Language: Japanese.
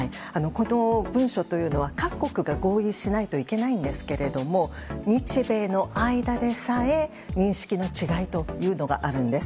この文書というのは、各国が合意しないといけないんですが日米の間でさえ認識の違いというのがあるんです。